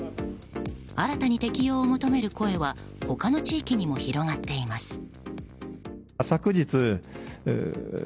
新たに適用を求める声は他の地域にも広がっています。